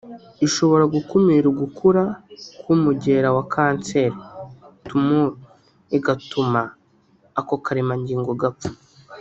Ishobora gukumira ugukura kw’umugera wa kanseri (tumour) igatuma ako karemangingo gapfa